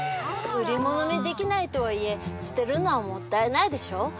売り物にできないとはいえ捨てるのはもったいないでしょ？